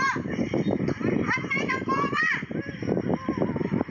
โอ้โหเป็นเกิดขึ้นกันกันก่อนค่ะ